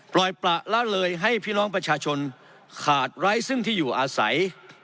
ปล่อยประละเลยให้พี่น้องประชาชนขาดไร้ซึ่งที่อยู่อาศัย